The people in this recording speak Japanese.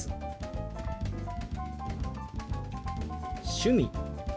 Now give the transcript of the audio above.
「趣味」。